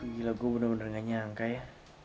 gila gue bener bener gak nyangka ya